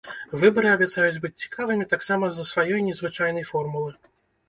Выбары абяцаюць быць цікавымі таксама з-за сваёй незвычайнай формулы.